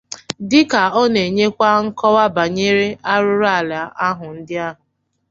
Dịka ọ na-enyekwu nkọwa banyere arụrụala ahụ ndị ahụ